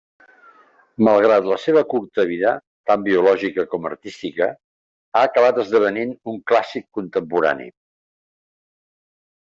Malgrat la seva curta vida, tant biològica com artística, ha acabat esdevenint un clàssic contemporani.